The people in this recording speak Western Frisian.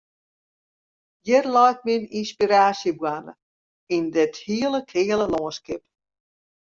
Hjir leit myn ynspiraasjeboarne, yn dit hele keale lânskip.